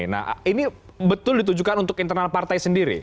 nah ini betul ditujukan untuk internal partai sendiri